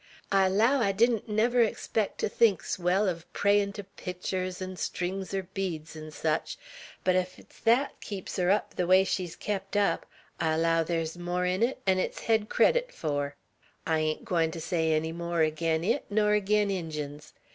I allow I didn't never expect ter think 's well uv prayin' to picters, 'n' strings er beads, 'n' sech; but ef 't 's thet keeps her up ther way she's kept up, I allow thar's more in it 'n it's hed credit fur. I ain't gwine ter say enny more agin it' nor agin Injuns.